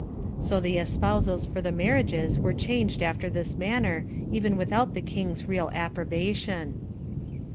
So the espousals for the marriages were changed after this manner, even without the king's real approbation.